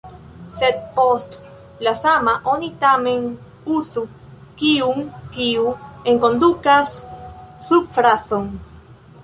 Sed post “la sama” oni tamen uzu kiun, kiu enkondukas subfrazon.